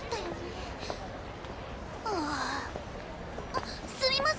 あっすみませ。